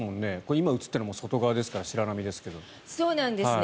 今、映っているのも外側ですから白波ですが。